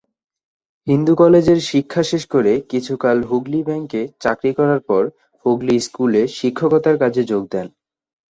হিন্দু কলেজের শিক্ষা শেষ করে কিছুকাল হুগলী ব্যাংকে চাকরি করার পর হুগলী স্কুলে শিক্ষকতার কাজে যোগ দেন।